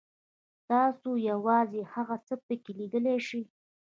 تاسو یوازې هغه څه پکې لیدلی شئ.